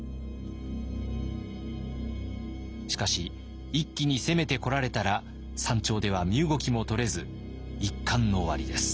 しかし一気に攻めてこられたら山頂では身動きもとれず一巻の終わりです。